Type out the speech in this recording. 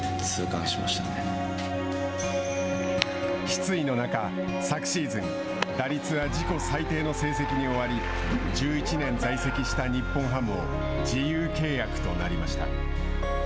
失意の中、昨シーズン打率は自己最低の成績に終わり１１年在籍した日本ハムを自由契約となりました。